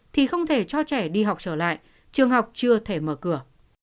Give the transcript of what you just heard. thì không thể cho trẻ đi học trở lại trường học chưa thể mở cửa